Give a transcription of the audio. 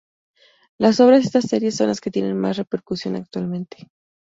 Las obras de esta serie son las que tienen más repercusión actualmente.